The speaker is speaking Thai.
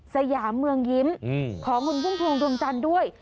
สยามเมืองยิ้มของคุณพุ่มพวงดวงจันทร์ด้วย